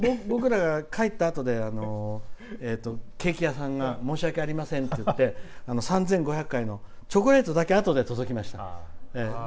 僕らが帰ったあとでケーキ屋さんが申し訳ありませんって言って３５００回のチョコレートだけあとで届きました。